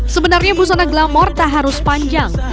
sebenarnya busana glamor tak harus panjang